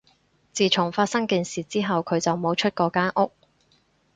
自從發生件事之後，佢就冇出過間屋